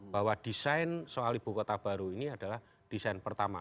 bahwa desain soal ibu kota baru ini adalah desain pertama